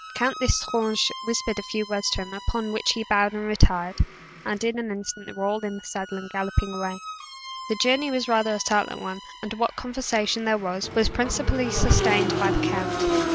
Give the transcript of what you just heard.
Count L'Estrange whispered a few words to him, upon which he bowed and retired; and in an instant they were all in the saddle, and galloping away. The journey was rather a silent one, and what conversation there was, was principally sustained by the count.